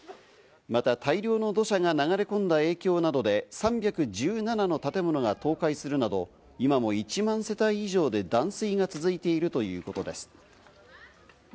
また大量の土砂が流れ込んだ影響などで３１７の建物が倒壊するなど、今も１万世帯以上で断水が続いているということです。